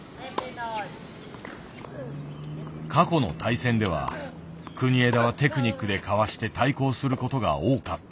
過去の対戦では国枝はテクニックでかわして対抗することが多かった。